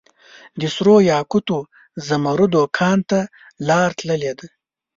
دسرو یاقوتو ، زمردو کان ته لار تللي ده